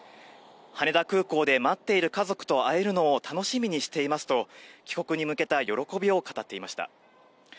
羽田空港で待っている家族と会えるのを楽しみにしていますと、帰国に向けた喜びを語っていました。